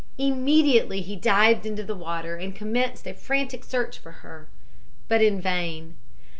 "Immediately he dived into the water and commenced a frantic search for her. But in vain.